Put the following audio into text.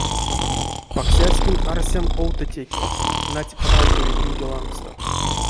Паксяськин, арсян, овто теке, нать, правтови пильге лангсто.